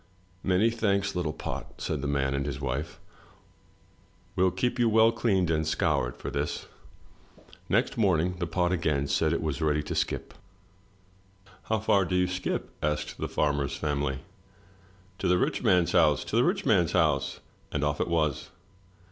"Many thanks, little pot," said the man and his wife. "We'll keep you well cleaned and scoured for this!" Next morning the pot again said it was ready to skip. 72 THROUGH FAIRY HALLS How far do you skip?" asked the farmer's family. "To the rich man's house, to the rich man's house." And off it was.